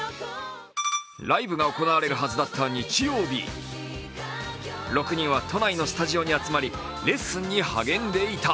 ライブが行われるはずだった日曜日、６人は都内のスタジオに集まりレッスンに励んでいた。